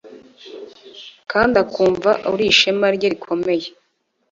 kandi akumva uri ishema rye rikomeye